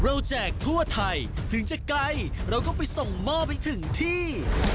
แจกทั่วไทยถึงจะไกลเราก็ไปส่งหม้อไปถึงที่